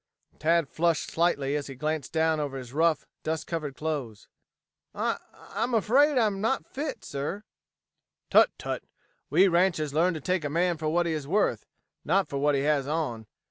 Tad flushed slightly as he glanced down over his own rough, dust covered clothes. "I I am afraid I am not fit, sir." "Tut, tut. We ranchers learn to take a man for what he is worth, not for what he has on.